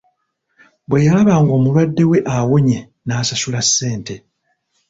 Bwe yalaba ng'omulwadde we awonye n'asasula ssente.